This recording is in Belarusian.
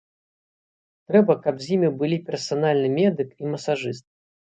Трэба, каб з імі былі персанальны медык і масажыст.